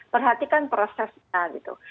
perhatikan prosesnya gitu